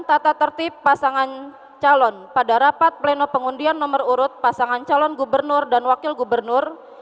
tata tertib pasangan calon pada rapat pleno pengundian nomor urut pasangan calon gubernur dan wakil gubernur